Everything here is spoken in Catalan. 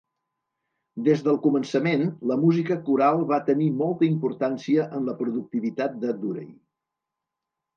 Des del començament la música coral va tenir molta importància en la productivitat de Durey.